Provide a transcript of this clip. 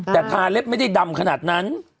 แต่ทาเล็บไม่ได้ดำขนาดนั้น